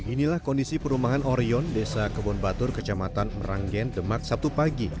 inilah kondisi perumahan orion desa kebon batur kecamatan meranggen demak sabtu pagi